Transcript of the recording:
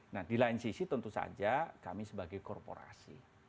nah di lain sisi tentu saja kami sebagai korporasi